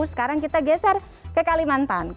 sekarang kita geser ke kalimantan